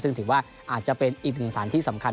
ซึ่งถือว่าอาจจะเป็นอีกหนึ่งสารที่สำคัญ